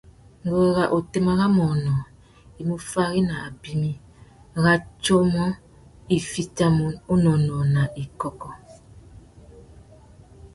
Nguru râ otémá râ manônōh i mú fári nà abimî râ tsumu i fitimú unônōh nà ikôkô.